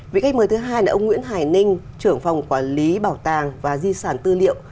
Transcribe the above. vị khách mời thứ hai là ông nguyễn hải ninh trưởng phòng quản lý bảo tàng và di sản tư liệu